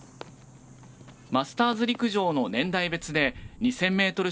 マスターズ陸上の年代別で２０００メートル